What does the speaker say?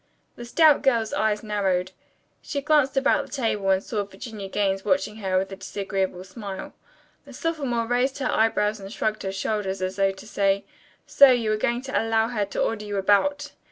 The stout girl's eyes narrowed. She glanced about the table and saw Virginia Gaines watching her with a disagreeable smile. The sophomore raised her eyebrows and shrugged her shoulders as though to say, "So, you are going to allow her to order you about."